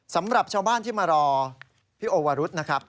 สำหรับชาวบ้านที่มารอพี่โอวรุษนะครับ